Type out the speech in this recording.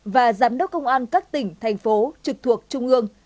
và giám đốc công an các tỉnh thành phố trực thuộc trung ương